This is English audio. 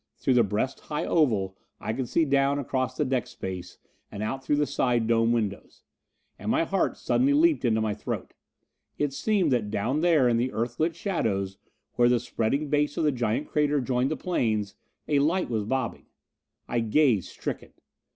Through the breast high oval I could see down across the deck space and out through the side dome windows. And my heart suddenly leaped into my throat. It seemed that down there in the Earthlit shadows, where the spreading base of the giant crater joined the plains, a light was bobbing. I gazed, stricken.